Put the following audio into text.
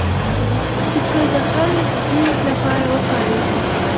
چې که د هر جنس لپاره وکارېږي